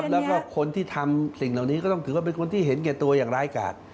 แล้วก็คนที่ทำสิ่งเหล่านี้ก็ต้องถือว่าเป็นคนที่เห็นแก่ตัวอย่างร้ายกาด